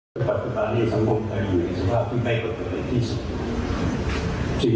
มีสิทธิ์ออกเสียงเลือกนายกรัฐมนตรี